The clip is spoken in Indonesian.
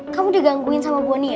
kau bisa gangguin sama bonny ya